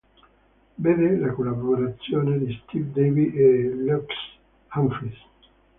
Vede le collaborazioni di Steve Davis e Lex Humphries.